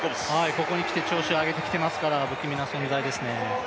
ここにきて調子を上げてきてますから不気味な存在ですね。